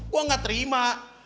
gue gak terima